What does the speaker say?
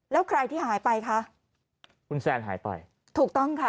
แล้วใครที่หายไปคะคุณแซนหายไปถูกต้องค่ะ